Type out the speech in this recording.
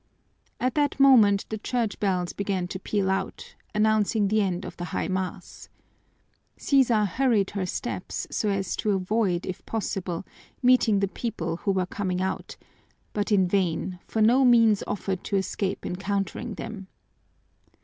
At that moment the church bells began to peal out, announcing the end of the high mass. Sisa hurried her steps so as to avoid, if possible, meeting the people who were coming out, but in vain, for no means offered to escape encountering them.